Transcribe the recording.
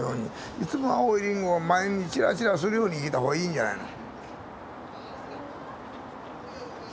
いつも青いりんごが前にチラチラするように生きた方がいいんじゃないの。